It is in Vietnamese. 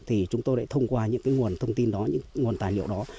thì chúng tôi lại thông qua những nguồn thông tin đó những nguồn tài liệu đó